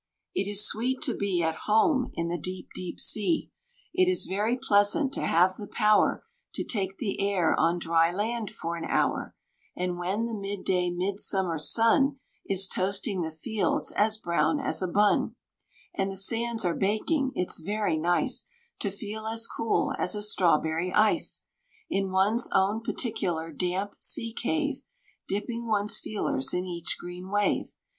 "It is sweet to be At home in the deep, deep sea. It is very pleasant to have the power To take the air on dry land for an hour; And when the mid day midsummer sun Is toasting the fields as brown as a bun, And the sands are baking, it's very nice To feel as cool as a strawberry ice In one's own particular damp sea cave, Dipping one's feelers in each green wave.